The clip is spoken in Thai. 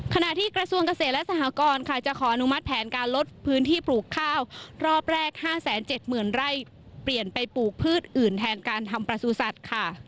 ขณะที่กระทรวงเกษตรและสหกรค่ะจะขออนุมัติแผนการลดพื้นที่ปลูกข้าวรอบแรก๕๗๐๐ไร่เปลี่ยนไปปลูกพืชอื่นแทนการทำประสูจัตว์ค่ะ